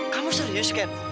kamu serius ken